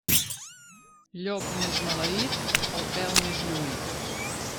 Llop més maleït, el pèl més lluït.